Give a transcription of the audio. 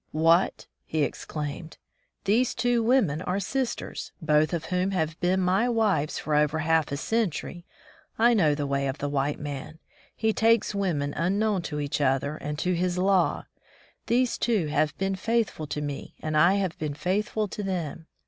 "What!" he exclaimed, "these two women are sisters, both of whom have been my wives for over half a century. I know the way of the white man ; he takes women un known to each other and to his law. These two have been faithful to me and I have been faithful to them.